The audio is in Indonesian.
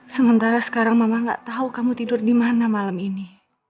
sementara sekarang mama gak tau kamu tidur dimana malam ini